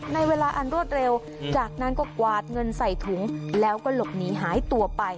ในเวลาอันรวดเร็วจากนั้นก็กวาดเงินใส่ถุงแล้วก็หลบหนีหายตัวไป